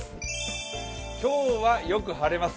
今日はよく晴れます。